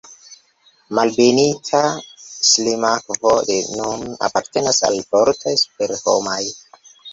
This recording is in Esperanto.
Malbenita Ŝlimakvo de nun apartenas al fortoj superhomaj.